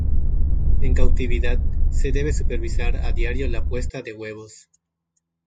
En cautividad se debe supervisar a diario la puesta de huevos.